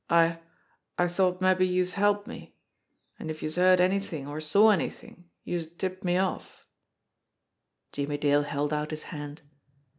I I thought mabbe youse'd help me. An' if youse heard anythin' or saw anythin' youse'd tip me off." Jimmie Dale held out his hand.